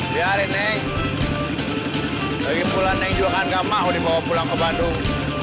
bagi pulang neng juga kan gak mau dibawa pulang ke bandung